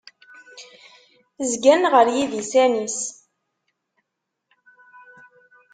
Zgan ɣer yidisan-is.